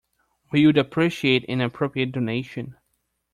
We would appreciate an appropriate donation